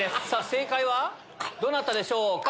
正解はどなたでしょうか？